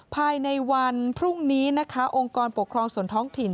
ภายในพรุ่งนี้องค์กรปกครองสนท้องถิ่น